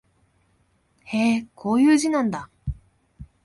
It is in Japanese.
へえ、こういう字なんだ